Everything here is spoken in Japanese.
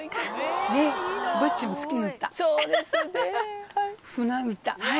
そうですねはい。